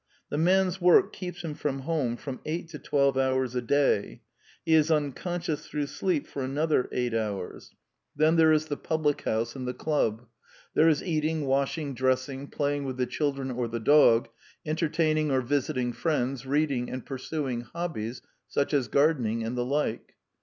The man's work keeps him from home from eight to twelve hours a day. He is uncon scious through sleep for another eight hours. 148 The Quintessence of Ibsenism Then there is the public house and the club. There is eating, washing, dressing, pla^ng with the children or the dog, entertaining or visiting friends, reading, and pursuing hobbies such as gardening and the like.